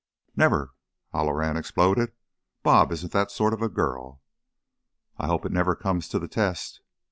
"Never!" Halloran exploded. "'Bob' isn't that sort of a girl." "I hope it never comes to the test."